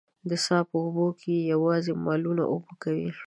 د څاه په اوبو به يې يواځې مالونه اوبه کول.